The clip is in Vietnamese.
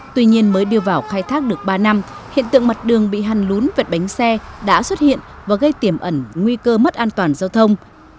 tuy nhiên mới đưa vào khai thác được ba năm hiện tượng mặt đường bị hăn lún vệt bánh xe đã xuất hiện và gây tiềm ẩn nguy cơ mất an toàn giao thông